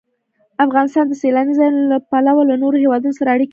افغانستان د سیلانی ځایونه له پلوه له نورو هېوادونو سره اړیکې لري.